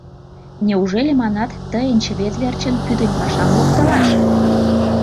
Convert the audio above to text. Неужели, манат, тыйын чывет верчын пӱтынь пашам локтылаш?